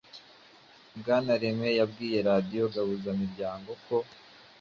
Bwana René yabwiye radiyo Gahuzamiryango ko